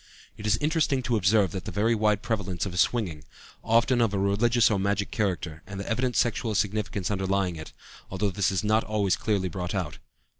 It is interesting to observe the very wide prevalence of swinging, often of a religious or magic character, and the evident sexual significance underlying it, although this is not always clearly brought out.